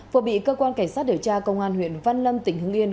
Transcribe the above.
vừa bị cơ quan cảnh sát điều tra công an huyện văn lâm tỉnh hưng yên